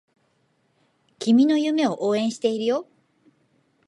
君の夢を応援しているよ